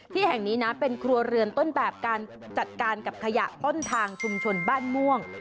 ที่แห่งนี้นะเป็นครัวเรือนต้นแบบการจัดการกับขยะต้นทางชุมชนบ้านม่วง